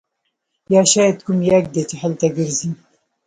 یا شاید کوم یاږ دی چې هلته ګرځي